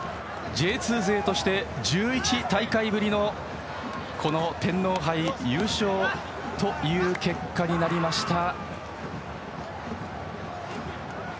Ｊ２勢として１１大会ぶりの天皇杯優勝と結果になりました。